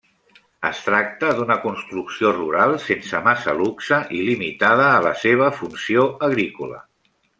Es tracta d'una construcció rural, sense massa luxe i limitada a la seva funció agrícola.